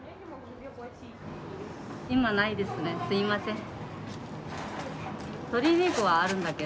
今ないですね、すみません。